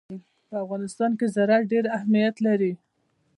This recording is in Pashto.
په افغانستان کې زراعت ډېر اهمیت لري.